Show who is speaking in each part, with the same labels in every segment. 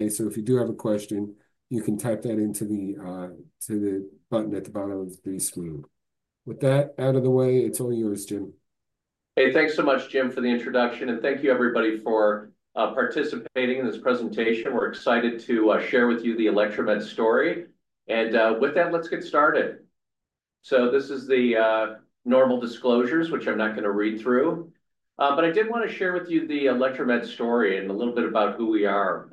Speaker 1: If you do have a question, you can type that into the button at the bottom of the screen. With that out of the way, it's all yours, Jim.
Speaker 2: Hey, thanks so much, Jim, for the introduction. Thank you, everybody, for participating in this presentation. We're excited to share with you the Electromed story. With that, let's get started. This is the normal disclosures, which I'm not going to read through. I did want to share with you the Electromed story and a little bit about who we are.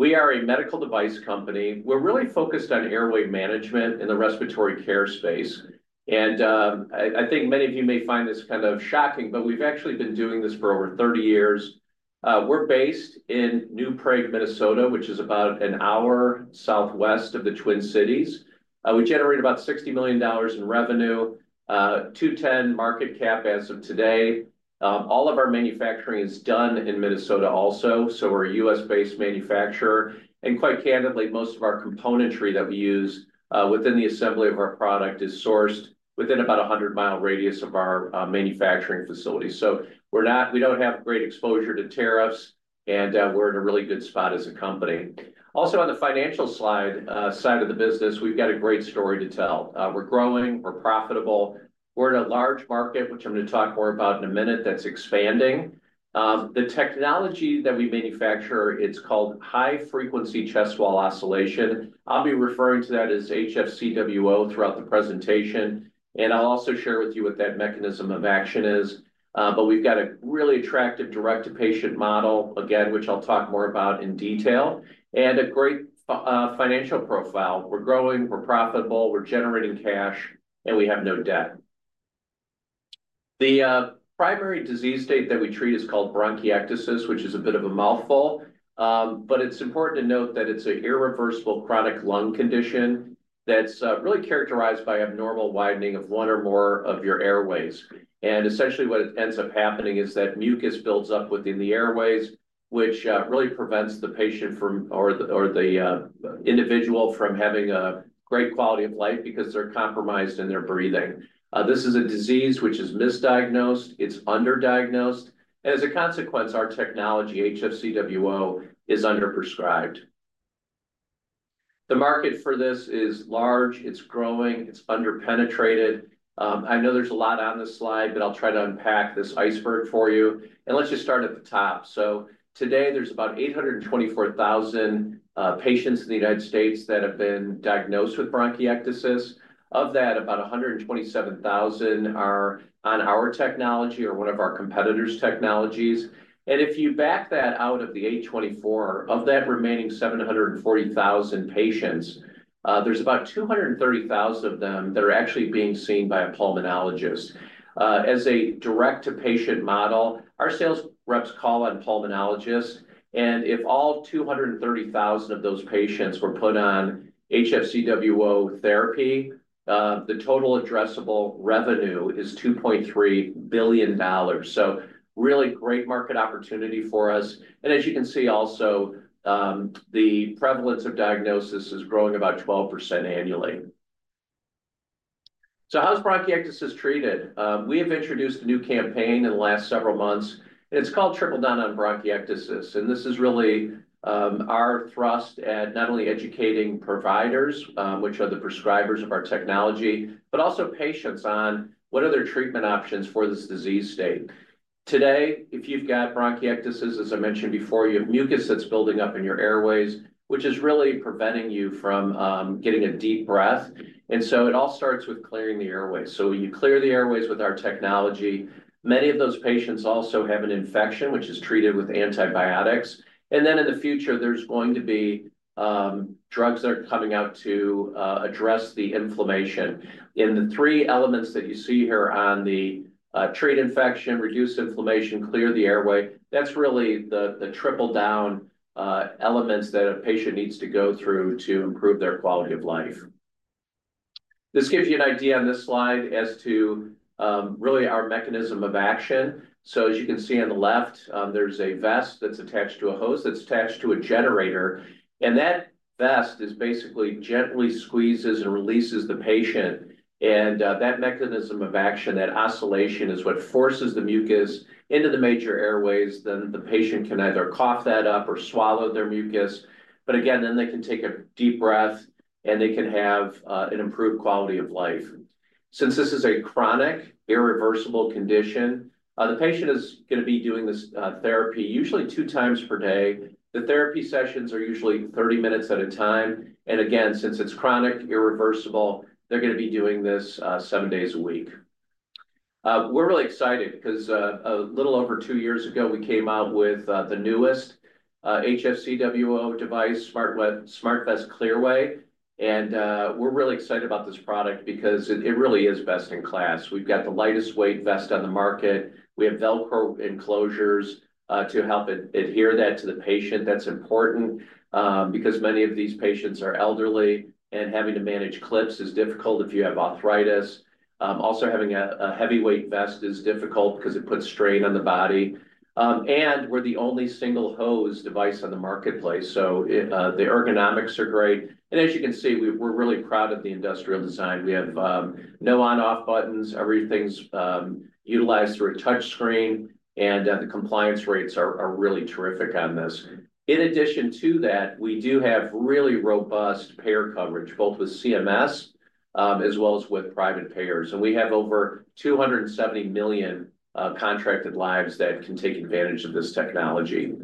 Speaker 2: We are a medical device company. We're really focused on airway management in the respiratory care space. I think many of you may find this kind of shocking, but we've actually been doing this for over 30 years. We're based in New Prague, Minnesota, which is about an hour southwest of the Twin Cities. We generate about $60 million in revenue, 210 market cap as of today. All of our manufacturing is done in Minnesota also. We're a U.S.-based manufacturer. Quite candidly, most of our componentry that we use within the assembly of our product is sourced within about a 100-mile radius of our manufacturing facility. We do not have great exposure to tariffs, and we are in a really good spot as a company. Also, on the financial side of the business, we have got a great story to tell. We are growing. We are profitable. We are in a large market, which I am going to talk more about in a minute, that is expanding. The technology that we manufacture, it is called high-frequency chest wall oscillation. I will be referring to that as HFCWO throughout the presentation. I will also share with you what that mechanism of action is. We have got a really attractive direct-to-patient model, again, which I will talk more about in detail, and a great financial profile. We are growing. We are profitable. We are generating cash, and we have no debt. The primary disease state that we treat is called bronchiectasis, which is a bit of a mouthful. It is important to note that it is an irreversible chronic lung condition that is really characterized by abnormal widening of one or more of your airways. Essentially, what ends up happening is that mucus builds up within the airways, which really prevents the patient or the individual from having a great quality of life because they are compromised in their breathing. This is a disease which is misdiagnosed. It is underdiagnosed. As a consequence, our technology, HFCWO, is underprescribed. The market for this is large. It is growing. It is underpenetrated. I know there is a lot on this slide, but I will try to unpack this iceberg for you. Let us just start at the top. Today, there are about 824,000 patients in the United States that have been diagnosed with bronchiectasis. Of that, about 127,000 are on our technology or one of our competitors' technologies. If you back that out of the 824, of that remaining 740,000 patients, there are about 230,000 of them that are actually being seen by a pulmonologist. As a direct-to-patient model, our sales reps call on pulmonologists. If all 230,000 of those patients were put on HFCWO therapy, the total addressable revenue is $2.3 billion. Really great market opportunity for us. As you can see, also, the prevalence of diagnosis is growing about 12% annually. How is bronchiectasis treated? We have introduced a new campaign in the last several months. It is called Triple Down on Bronchiectasis. This is really our thrust at not only educating providers, which are the prescribers of our technology, but also patients on what are their treatment options for this disease state. Today, if you've got bronchiectasis, as I mentioned before, you have mucus that's building up in your airways, which is really preventing you from getting a deep breath. It all starts with clearing the airways. You clear the airways with our technology. Many of those patients also have an infection, which is treated with antibiotics. In the future, there are going to be drugs that are coming out to address the inflammation. The three elements that you see here on the treat infection, reduce inflammation, clear the airway, that's really the triple-down elements that a patient needs to go through to improve their quality of life. This gives you an idea on this slide as to really our mechanism of action. As you can see on the left, there's a vest that's attached to a hose that's attached to a generator. That vest basically gently squeezes and releases the patient. That mechanism of action, that oscillation, is what forces the mucus into the major airways. The patient can either cough that up or swallow their mucus. Again, they can take a deep breath, and they can have an improved quality of life. Since this is a chronic, irreversible condition, the patient is going to be doing this therapy usually two times per day. The therapy sessions are usually 30 minutes at a time. Again, since it is chronic, irreversible, they are going to be doing this seven days a week. We are really excited because a little over two years ago, we came out with the newest HFCWO device, SmartVest Clearway. We are really excited about this product because it really is best in class. We have got the lightest weight vest on the market. We have Velcro enclosures to help adhere that to the patient. That's important because many of these patients are elderly, and having to manage clips is difficult if you have arthritis. Also, having a heavyweight vest is difficult because it puts strain on the body. We are the only single hose device on the marketplace. The ergonomics are great. As you can see, we are really proud of the industrial design. We have no on/off buttons. Everything is utilized through a touchscreen. The compliance rates are really terrific on this. In addition to that, we do have really robust payer coverage, both with CMS as well as with private payers. We have over 270 million contracted lives that can take advantage of this technology.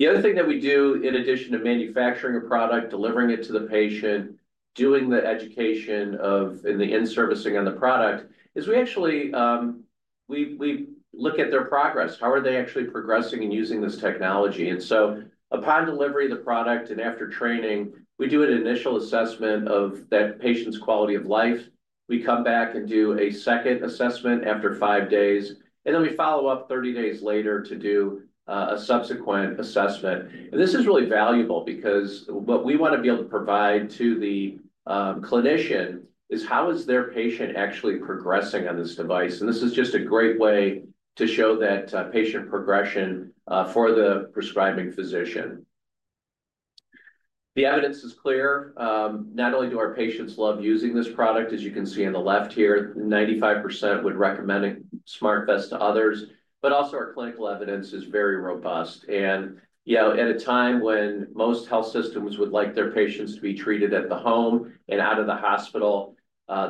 Speaker 2: The other thing that we do, in addition to manufacturing a product, delivering it to the patient, doing the education and the in-servicing on the product, is we actually look at their progress. How are they actually progressing and using this technology? Upon delivery of the product and after training, we do an initial assessment of that patient's quality of life. We come back and do a second assessment after five days. We follow up 30 days later to do a subsequent assessment. This is really valuable because what we want to be able to provide to the clinician is how is their patient actually progressing on this device. This is just a great way to show that patient progression for the prescribing physician. The evidence is clear. Not only do our patients love using this product, as you can see on the left here, 95% would recommend SmartVest to others, but also our clinical evidence is very robust. At a time when most health systems would like their patients to be treated at the home and out of the hospital,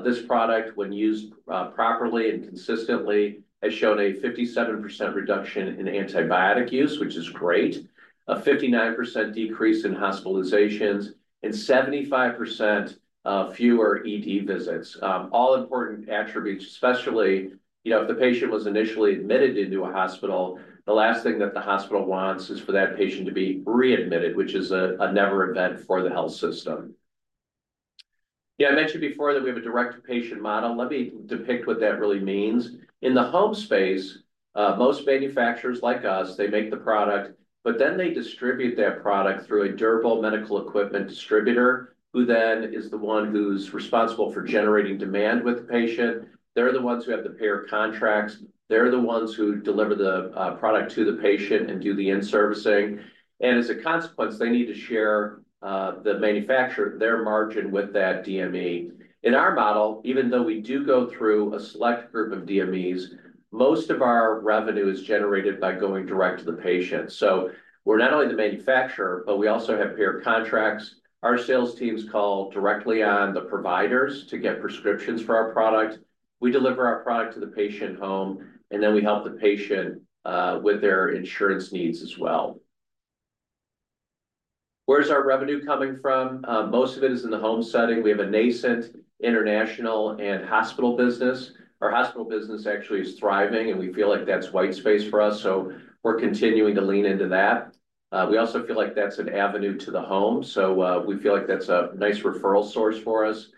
Speaker 2: this product, when used properly and consistently, has shown a 57% reduction in antibiotic use, which is great, a 59% decrease in hospitalizations, and 75% fewer ED visits. All important attributes, especially if the patient was initially admitted into a hospital, the last thing that the hospital wants is for that patient to be readmitted, which is a never-event for the health system. I mentioned before that we have a direct-to-patient model. Let me depict what that really means. In the home space, most manufacturers like us, they make the product, but then they distribute that product through a durable medical equipment distributor, who then is the one who's responsible for generating demand with the patient. They're the ones who have the payer contracts. They're the ones who deliver the product to the patient and do the in-servicing. As a consequence, they need to share their margin with that DME. In our model, even though we do go through a select group of DMEs, most of our revenue is generated by going direct to the patient. We're not only the manufacturer, but we also have payer contracts. Our sales teams call directly on the providers to get prescriptions for our product. We deliver our product to the patient home, and then we help the patient with their insurance needs as well. Where is our revenue coming from? Most of it is in the home setting. We have a nascent international and hospital business. Our hospital business actually is thriving, and we feel like that's white space for us. We are continuing to lean into that. We also feel like that's an avenue to the home. We feel like that's a nice referral source for us.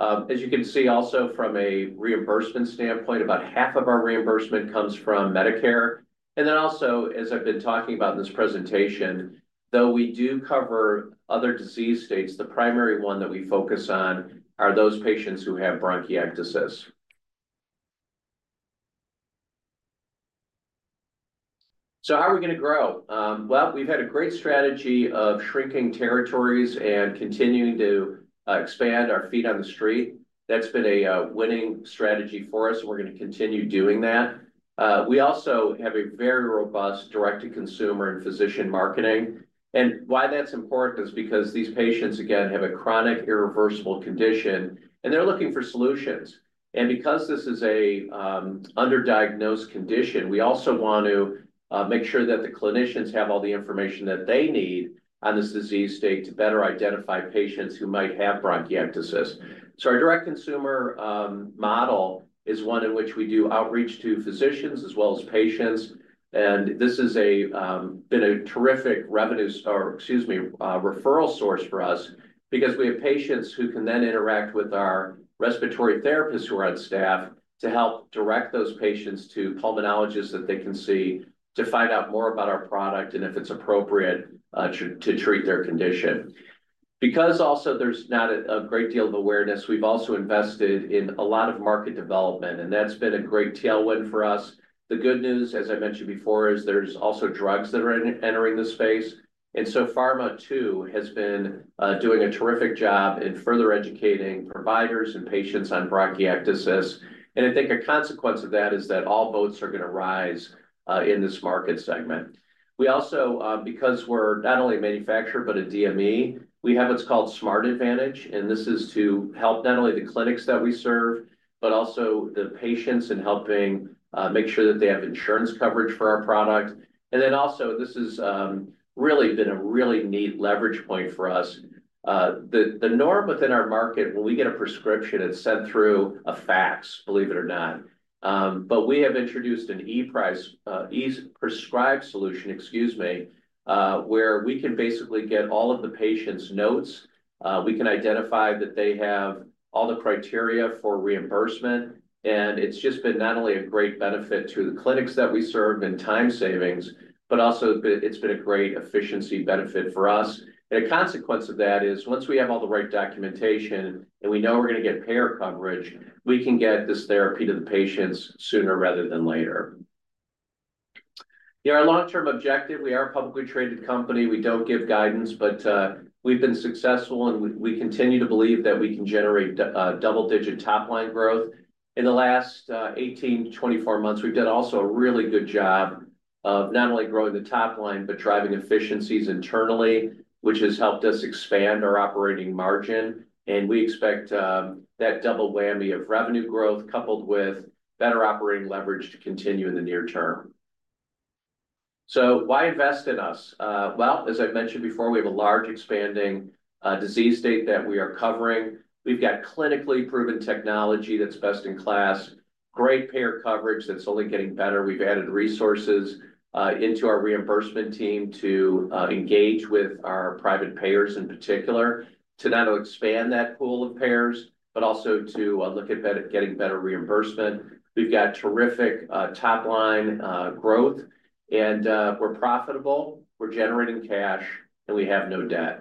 Speaker 2: As you can see, also from a reimbursement standpoint, about half of our reimbursement comes from Medicare. Also, as I've been talking about in this presentation, though we do cover other disease states, the primary one that we focus on are those patients who have bronchiectasis. How are we going to grow? We've had a great strategy of shrinking territories and continuing to expand our feet on the street. That's been a winning strategy for us, and we're going to continue doing that. We also have a very robust direct-to-consumer and physician marketing. Why that's important is because these patients, again, have a chronic, irreversible condition, and they're looking for solutions. Because this is an underdiagnosed condition, we also want to make sure that the clinicians have all the information that they need on this disease state to better identify patients who might have bronchiectasis. Our direct-to-consumer model is one in which we do outreach to physicians as well as patients. This has been a terrific referral source for us because we have patients who can then interact with our respiratory therapists who are on staff to help direct those patients to pulmonologists that they can see to find out more about our product and if it's appropriate to treat their condition. Because also there's not a great deal of awareness, we've also invested in a lot of market development, and that's been a great tailwind for us. The good news, as I mentioned before, is there's also drugs that are entering the space. Pharma too has been doing a terrific job in further educating providers and patients on bronchiectasis. I think a consequence of that is that all boats are going to rise in this market segment. We also, because we're not only a manufacturer, but a DME, we have what's called SmartAdvantage. This is to help not only the clinics that we serve, but also the patients in helping make sure that they have insurance coverage for our product. This has really been a really neat leverage point for us. The norm within our market, when we get a prescription, it's sent through a fax, believe it or not. We have introduced an e-prescribe solution, excuse me, where we can basically get all of the patients' notes. We can identify that they have all the criteria for reimbursement. It's just been not only a great benefit to the clinics that we serve and time savings, but also it's been a great efficiency benefit for us. A consequence of that is once we have all the right documentation and we know we're going to get payer coverage, we can get this therapy to the patients sooner rather than later. Our long-term objective, we are a publicly traded company. We don't give guidance, but we've been successful, and we continue to believe that we can generate double-digit top-line growth. In the last 18 months-24 months, we've done also a really good job of not only growing the top line, but driving efficiencies internally, which has helped us expand our operating margin. We expect that double whammy of revenue growth coupled with better operating leverage to continue in the near term. Why invest in us? As I mentioned before, we have a large expanding disease state that we are covering. We've got clinically proven technology that's best in class, great payer coverage that's only getting better. We've added resources into our reimbursement team to engage with our private payers in particular to not only expand that pool of payers, but also to look at getting better reimbursement. We've got terrific top-line growth, and we're profitable. We're generating cash, and we have no debt.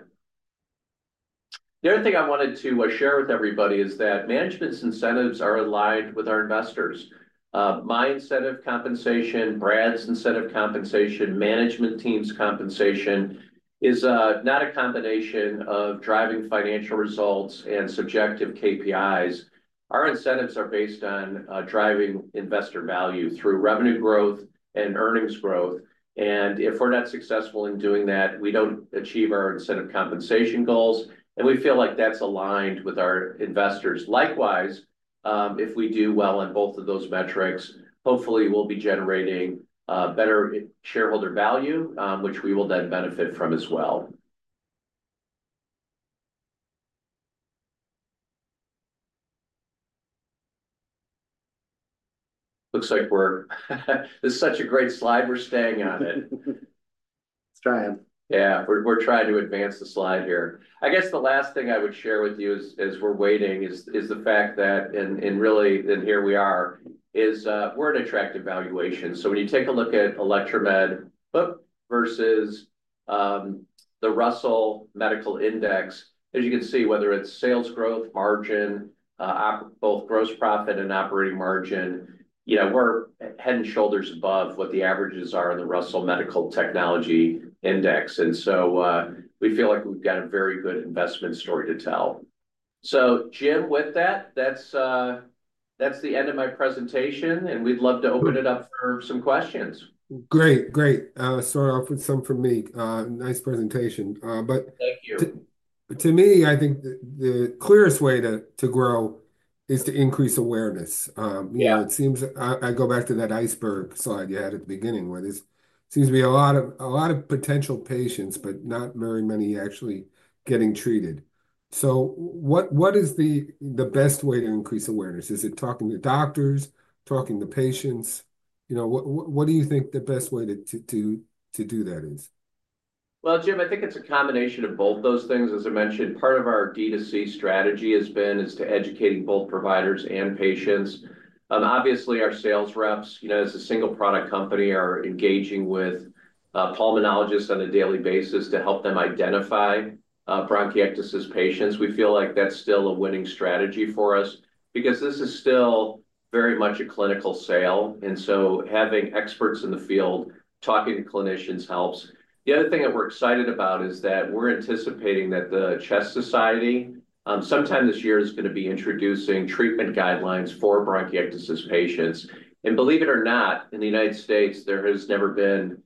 Speaker 2: The other thing I wanted to share with everybody is that management's incentives are aligned with our investors. My incentive compensation, Brad's incentive compensation, management team's compensation is not a combination of driving financial results and subjective KPIs. Our incentives are based on driving investor value through revenue growth and earnings growth. If we're not successful in doing that, we don't achieve our incentive compensation goals. We feel like that's aligned with our investors. Likewise, if we do well on both of those metrics, hopefully, we'll be generating better shareholder value, which we will then benefit from as well. Looks like this is such a great slide. We're staying on it. Let's try it. Yeah, we're trying to advance the slide here. I guess the last thing I would share with you as we're waiting is the fact that, and really, here we are, is we're an attractive valuation. When you take a look at Electromed versus the Russell Medical Index, as you can see, whether it's sales growth, margin, both gross profit and operating margin, we're head and shoulders above what the averages are in the Russell Medical Technology Index. We feel like we've got a very good investment story to tell. Jim, with that, that's the end of my presentation, and we'd love to open it up for some questions.
Speaker 1: Great. Great. Start off with some for me. Nice presentation. To me, I think the clearest way to grow is to increase awareness. I go back to that iceberg slide you had at the beginning, where there seems to be a lot of potential patients, but not very many actually getting treated. What is the best way to increase awareness? Is it talking to doctors, talking to patients? What do you think the best way to do that is?
Speaker 2: Jim, I think it's a combination of both those things. As I mentioned, part of our D2C strategy has been to educate both providers and patients. Obviously, our sales reps, as a single product company, are engaging with pulmonologists on a daily basis to help them identify bronchiectasis patients. We feel like that's still a winning strategy for us because this is still very much a clinical sale. Having experts in the field talking to clinicians helps. The other thing that we're excited about is that we're anticipating that the Chest Society sometime this year is going to be introducing treatment guidelines for bronchiectasis patients. Believe it or not, in the United States, there has never been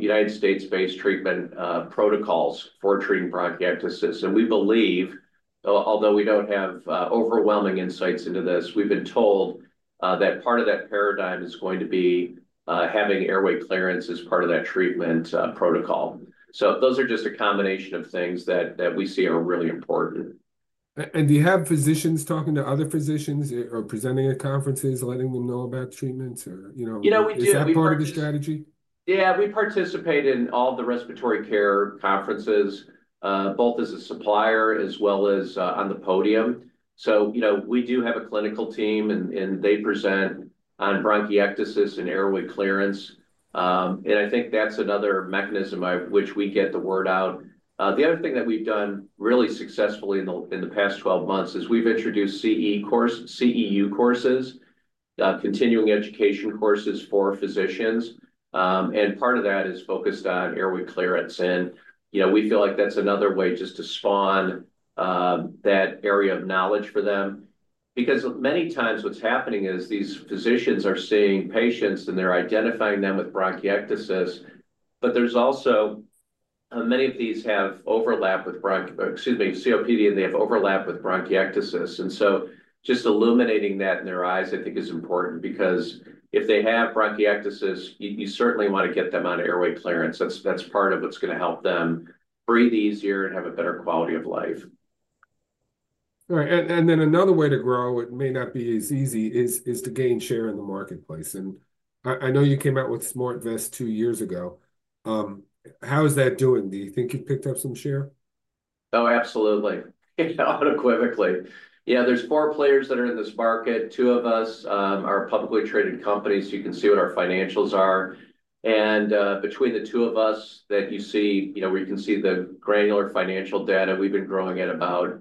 Speaker 2: United States-based treatment protocols for treating bronchiectasis. We believe, although we do not have overwhelming insights into this, we have been told that part of that paradigm is going to be having airway clearance as part of that treatment protocol. Those are just a combination of things that we see are really important.
Speaker 1: Do you have physicians talking to other physicians or presenting at conferences, letting them know about treatments or is that part of the strategy?
Speaker 2: Yeah, we participate in all the respiratory care conferences, both as a supplier as well as on the podium. We do have a clinical team, and they present on bronchiectasis and airway clearance. I think that's another mechanism by which we get the word out. The other thing that we've done really successfully in the past 12 months is we've introduced CEU courses, continuing education courses for physicians. Part of that is focused on airway clearance. We feel like that's another way just to spawn that area of knowledge for them. Because many times what's happening is these physicians are seeing patients, and they're identifying them with bronchiectasis, but there's also many of these have overlap with, excuse me, COPD, and they have overlap with bronchiectasis. Just illuminating that in their eyes, I think, is important because if they have bronchiectasis, you certainly want to get them on airway clearance. That's part of what's going to help them breathe easier and have a better quality of life.
Speaker 1: Right. Another way to grow, it may not be as easy, is to gain share in the marketplace. I know you came out with SmartVest two years ago. How is that doing? Do you think you've picked up some share?
Speaker 2: Oh, absolutely. Unequivocally. Yeah, there are four players that are in this market. Two of us are publicly traded companies, so you can see what our financials are. Between the two of us that you see, where you can see the granular financial data, we've been growing at about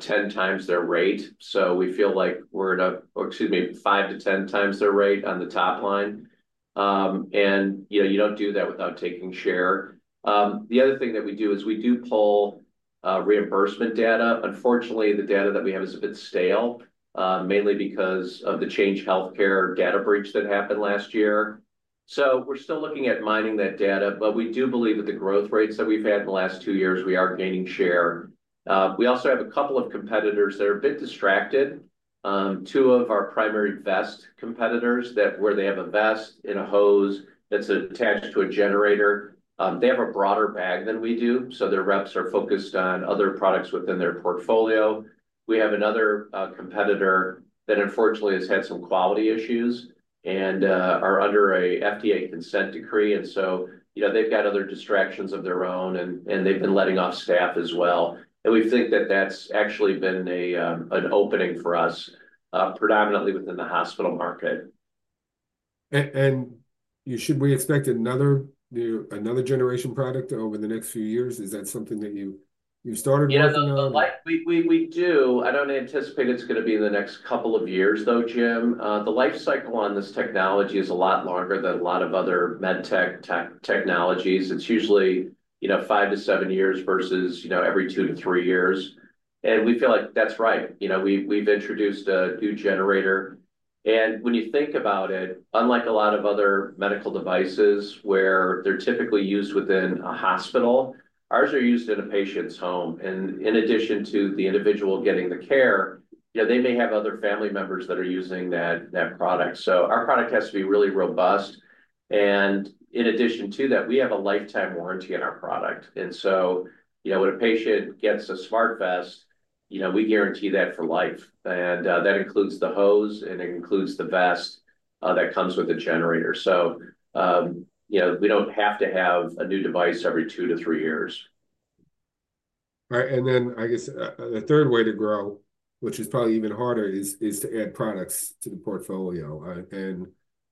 Speaker 2: 10 times their rate. We feel like we're at, excuse me, 5-10 times their rate on the top line. You don't do that without taking share. The other thing that we do is we do pull reimbursement data. Unfortunately, the data that we have is a bit stale, mainly because of the Change Healthcare data breach that happened last year. We are still looking at mining that data, but we do believe that the growth rates that we've had in the last two years, we are gaining share. We also have a couple of competitors that are a bit distracted. Two of our primary vest competitors, where they have a vest and a hose that's attached to a generator, they have a broader bag than we do. Their reps are focused on other products within their portfolio. We have another competitor that, unfortunately, has had some quality issues and are under an FDA consent decree. They have other distractions of their own, and they've been letting off staff as well. We think that that's actually been an opening for us, predominantly within the hospital market.
Speaker 1: Should we expect another generation product over the next few years? Is that something that you started?
Speaker 2: Yeah, we do. I don't anticipate it's going to be in the next couple of years, though, Jim. The life cycle on this technology is a lot longer than a lot of other med tech technologies. It's usually five to seven years versus every two to three years. We feel like that's right. We've introduced a new generator. When you think about it, unlike a lot of other medical devices where they're typically used within a hospital, ours are used in a patient's home. In addition to the individual getting the care, they may have other family members that are using that product. Our product has to be really robust. In addition to that, we have a lifetime warranty on our product. When a patient gets a SmartVest, we guarantee that for life. That includes the hose, and it includes the vest that comes with the generator. We do not have to have a new device every two to three years.
Speaker 1: Right. I guess the third way to grow, which is probably even harder, is to add products to the portfolio.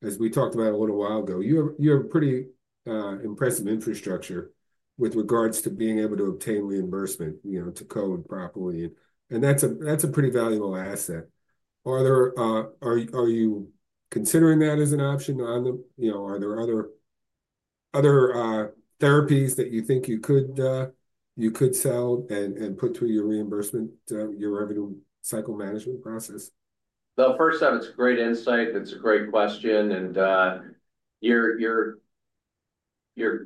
Speaker 1: As we talked about a little while ago, you have pretty impressive infrastructure with regards to being able to obtain reimbursement to code properly. That is a pretty valuable asset. Are you considering that as an option? Are there other therapies that you think you could sell and put through your reimbursement, your revenue cycle management process?
Speaker 2: First off, it is a great insight. It is a great question. You're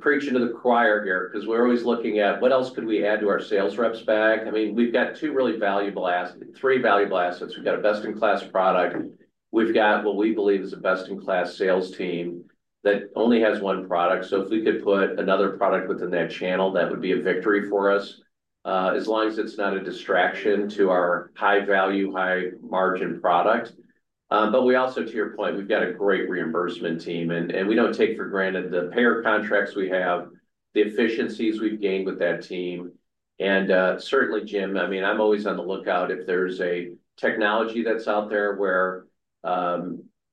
Speaker 2: preaching to the choir here because we're always looking at what else could we add to our sales reps' bag. I mean, we've got two really valuable, three valuable assets. We've got a best-in-class product. We've got what we believe is a best-in-class sales team that only has one product. If we could put another product within that channel, that would be a victory for us as long as it's not a distraction to our high-value, high-margin product. We also, to your point, have a great reimbursement team. We don't take for granted the payer contracts we have, the efficiencies we've gained with that team. Certainly, Jim, I mean, I'm always on the lookout if there's a technology that's out there where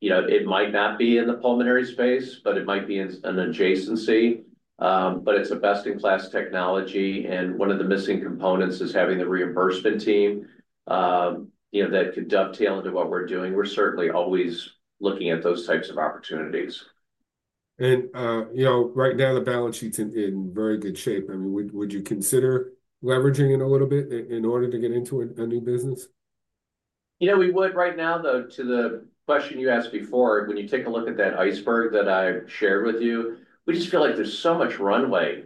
Speaker 2: it might not be in the pulmonary space, but it might be in an adjacency. It's a best-in-class technology. One of the missing components is having the reimbursement team that could dovetail into what we're doing. We're certainly always looking at those types of opportunities.
Speaker 1: Right now, the balance sheet's in very good shape. I mean, would you consider leveraging it a little bit in order to get into a new business?
Speaker 2: We would. Right now, though, to the question you asked before, when you take a look at that iceberg that I've shared with you, we just feel like there's so much runway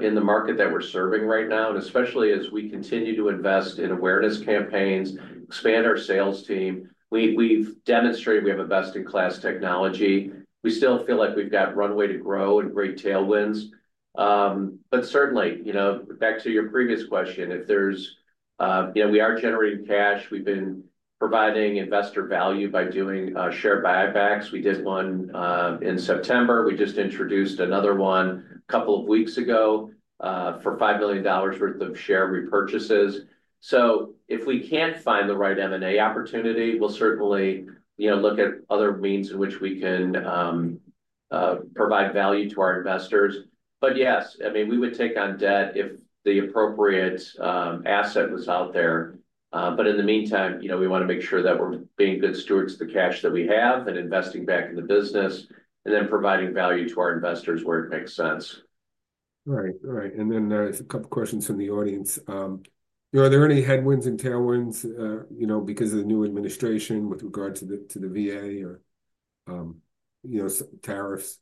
Speaker 2: in the market that we're serving right now, especially as we continue to invest in awareness campaigns and expand our sales team. We've demonstrated we have a best-in-class technology. We still feel like we've got runway to grow and great tailwinds. Certainly, back to your previous question, we are generating cash. We've been providing investor value by doing share buybacks. We did one in September. We just introduced another one a couple of weeks ago for $5 million worth of share repurchases. If we can't find the right M&A opportunity, we'll certainly look at other means in which we can provide value to our investors. Yes, I mean, we would take on debt if the appropriate asset was out there. In the meantime, we want to make sure that we're being good stewards of the cash that we have and investing back in the business and then providing value to our investors where it makes sense.
Speaker 1: Right. There are a couple of questions from the audience. Are there any headwinds and tailwinds because of the new administration with regard to the VA or tariffs,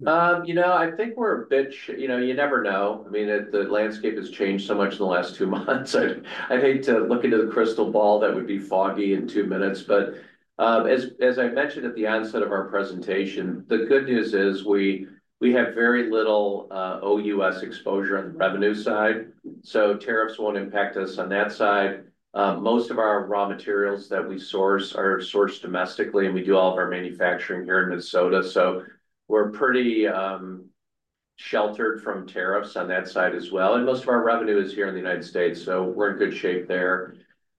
Speaker 1: that type? I think we're a bit you never know.
Speaker 2: I mean, the landscape has changed so much in the last two months. I hate to look into the crystal ball that would be foggy in two minutes. As I mentioned at the onset of our presentation, the good news is we have very little OUS exposure on the revenue side. Tariffs will not impact us on that side. Most of our raw materials that we source are sourced domestically, and we do all of our manufacturing here in Minnesota. We are pretty sheltered from tariffs on that side as well. Most of our revenue is here in the United States. We are in good shape there.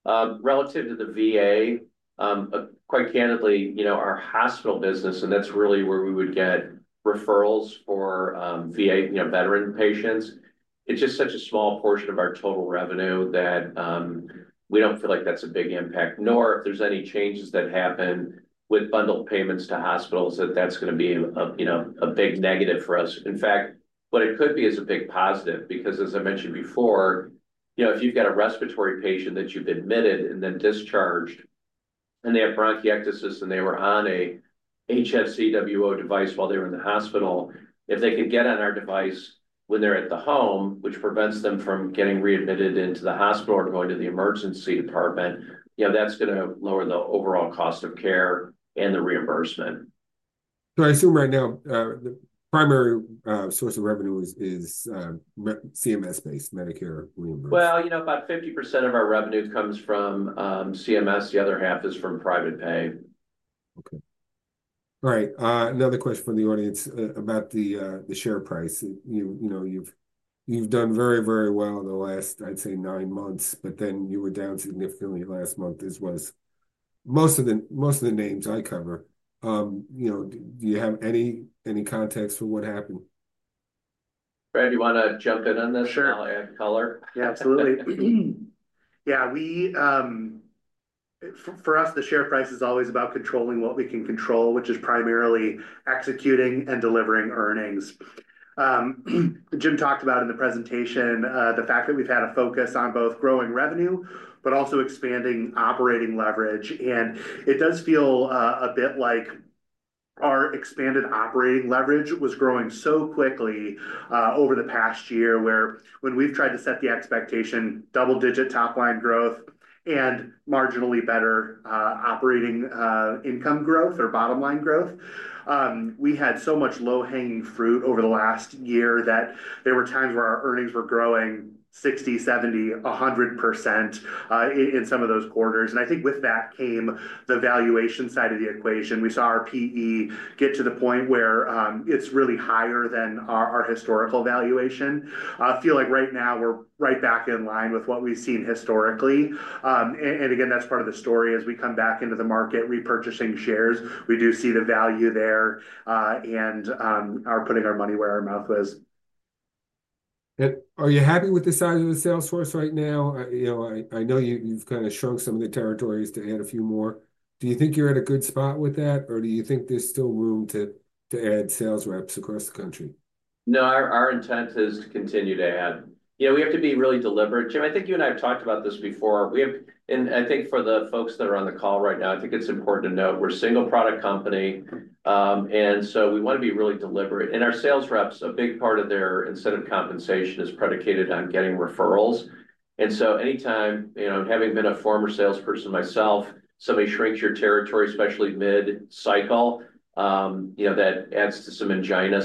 Speaker 2: Relative to the VA, quite candidly, our hospital business, and that's really where we would get referrals for veteran patients, is just such a small portion of our total revenue that we don't feel like that's a big impact, nor if there's any changes that happen with bundled payments to hospitals, that that's going to be a big negative for us. In fact, what it could be is a big positive because, as I mentioned before, if you've got a respiratory patient that you've admitted and then discharged, and they have bronchiectasis, and they were on an HFCWO device while they were in the hospital, if they could get on our device when they're at the home, which prevents them from getting readmitted into the hospital or going to the emergency department, that's going to lower the overall cost of care and the reimbursement.
Speaker 1: I assume right now, the primary source of revenue is CMS-based Medicare reimbursement.
Speaker 2: About 50% of our revenue comes from CMS. The other half is from private pay.
Speaker 1: Okay. All right. Another question from the audience about the share price. You've done very, very well the last, I'd say, nine months, but then you were down significantly last month. This was most of the names I cover. Do you have any context for what happened?
Speaker 2: Brad, do you want to jump in on this?
Speaker 3: Sure. I'll add color. Yeah, absolutely. For us, the share price is always about controlling what we can control, which is primarily executing and delivering earnings. Jim talked about in the presentation the fact that we've had a focus on both growing revenue, but also expanding operating leverage. It does feel a bit like our expanded operating leverage was growing so quickly over the past year where when we've tried to set the expectation, double-digit top-line growth and marginally better operating income growth or bottom-line growth, we had so much low-hanging fruit over the last year that there were times where our earnings were growing 60%, 70%, 100% in some of those quarters. I think with that came the valuation side of the equation. We saw our PE get to the point where it's really higher than our historical valuation. I feel like right now we're right back in line with what we've seen historically. Again, that's part of the story as we come back into the market repurchasing shares. We do see the value there and are putting our money where our mouth is.
Speaker 1: Are you happy with the size of the sales force right now? I know you've kind of shrunk some of the territories to add a few more. Do you think you're at a good spot with that, or do you think there's still room to add sales reps across the country?
Speaker 2: No, our intent is to continue to add. We have to be really deliberate. Jim, I think you and I have talked about this before. I think for the folks that are on the call right now, I think it's important to note we're a single-product company. We want to be really deliberate. Our sales reps, a big part of their incentive compensation is predicated on getting referrals. Anytime, having been a former salesperson myself, somebody shrinks your territory, especially mid-cycle, that adds to some angina.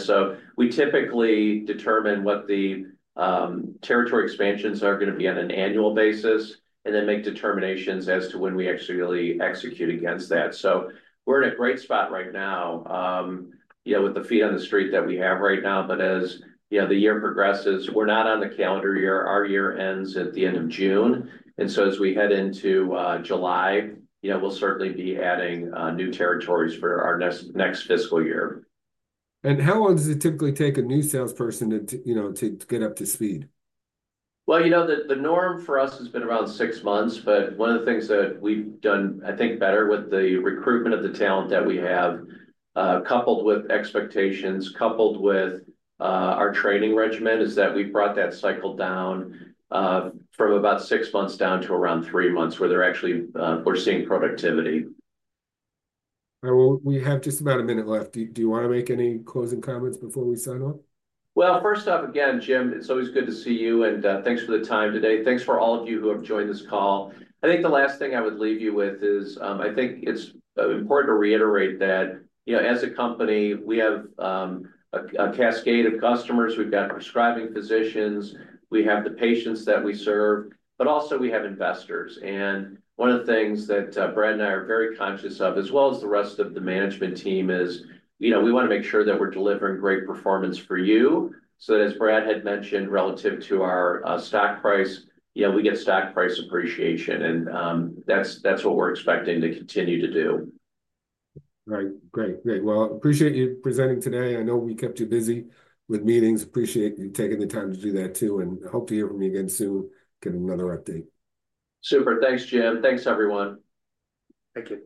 Speaker 2: We typically determine what the territory expansions are going to be on an annual basis and then make determinations as to when we actually execute against that. We are in a great spot right now with the feet on the street that we have right now. As the year progresses, we are not on the calendar year. Our year ends at the end of June. As we head into July, we will certainly be adding new territories for our next fiscal year.
Speaker 1: How long does it typically take a new salesperson to get up to speed? The norm for us has been around six months.
Speaker 2: One of the things that we've done, I think, better with the recruitment of the talent that we have, coupled with expectations, coupled with our training regimen, is that we've brought that cycle down from about six months down to around three months where we're seeing productivity.
Speaker 1: All right. We have just about a minute left. Do you want to make any closing comments before we sign off?
Speaker 2: First off, again, Jim, it's always good to see you. Thanks for the time today. Thanks for all of you who have joined this call. I think the last thing I would leave you with is I think it's important to reiterate that as a company, we have a cascade of customers. We've got prescribing physicians. We have the patients that we serve, but also we have investors. One of the things that Brad and I are very conscious of, as well as the rest of the management team, is we want to make sure that we're delivering great performance for you. As Brad had mentioned, relative to our stock price, we get stock price appreciation. That is what we're expecting to continue to do.
Speaker 1: Great. Appreciate you presenting today. I know we kept you busy with meetings. Appreciate you taking the time to do that too. Hope to hear from you again soon, get another update.
Speaker 2: Super. Thanks, Jim. Thanks, everyone. Take care.